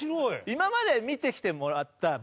今まで見てきてもらったＶＴＲ